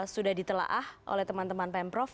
sudah ditelah oleh teman teman pemprov